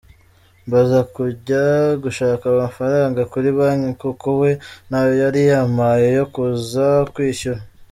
Mbanza kujya gushaka amafaranga kuri banki kuko we ntayo yari yampaye yo kuza kwishyura.